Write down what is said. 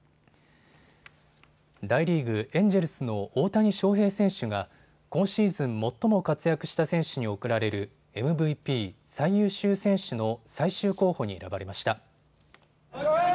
大リーグ、エンジェルスの大谷翔平選手が今シーズン最も活躍した選手に贈られるＭＶＰ・最優秀選手の最終候補に選ばれました。